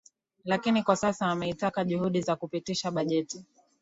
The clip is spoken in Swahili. lakini kwa sasa ameitaka juhudi za kupitisha bajeti